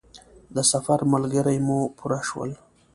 د سفر ملګري مو پوره شول.